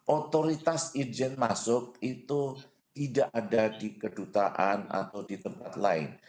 otoritas izin masuk itu tidak ada di kedutaan atau di tempat lain